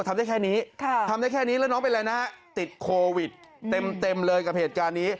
ทำได้แค่นี้ทำได้แค่นี้แล้วน้องเป็นอะไรนะติดโควิดเต็มเลยกับเหตุการณ์นี้